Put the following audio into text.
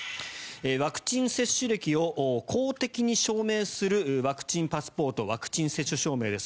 ワクチン接種歴を公的に証明するワクチンパスポートワクチン接種証明です。